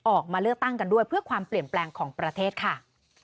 ออกมาเลือกตั้งกันด้วยเพื่อความเปลี่ยนแปลงของประเทศค่ะ